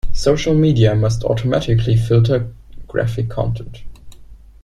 Social media must automatically filter graphic content.